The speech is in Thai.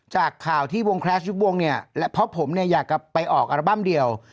จากข่าวที่วงแคลสยุควงเนี่ยและเพราะผมเนี่ยอยากจะไปออกอัลบั้มเดียว